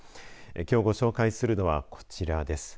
きょうご紹介するのはこちらです。